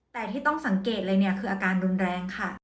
แต่ที่ต้องสังเกตเลยเนี่ยคืออาการรุนแรงค่ะ